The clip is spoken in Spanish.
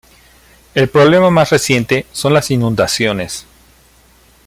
El problema más reciente son las inundaciones.